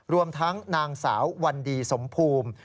รวมทั้งนางสาววันดีสมภูมิ